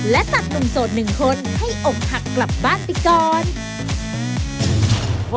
และศักดิ์หนุ่มโสดหนึ่งคนให้อกหักกลับบ้านไปก่อน